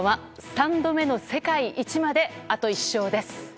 ３度目の世界一まであと１勝です。